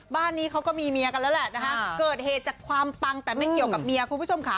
บ้านนี้เขาก็มีเมียกันแล้วแหละนะคะเกิดเหตุจากความปังแต่ไม่เกี่ยวกับเมียคุณผู้ชมค่ะ